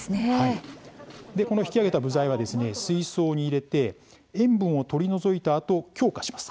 この引き揚げた部材は水槽に入れて塩分を取り除いたあと強化します。